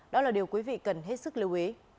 đó là điều quý vị cần hết sức lưu ý